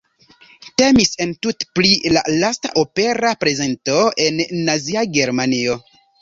Temis entute pri la lasta opera prezento en Nazia Germanio.